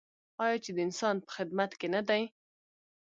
آیا چې د انسان په خدمت کې نه دی؟